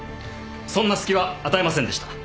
そんな隙は与えませんでした。